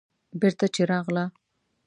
بېرته چې راغله.